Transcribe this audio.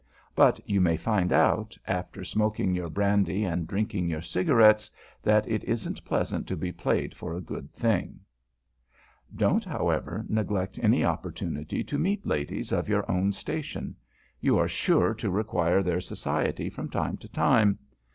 But you may find out, after smoking your brandy and drinking your cigarettes, that it isn't pleasant to be played for a "good thing." [Sidenote: THE UNQUESTIONABLE] Don't, however, neglect any opportunity to meet ladies of your own station. You are sure to require their society from time to time.